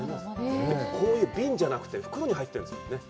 こういう瓶じゃなくて、袋に入っているんです。